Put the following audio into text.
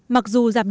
mặc dù giảm nhiễm